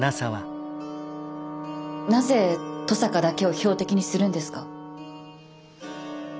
なぜ登坂だけを標的にするんですか？